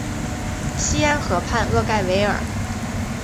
西安河畔厄盖维尔。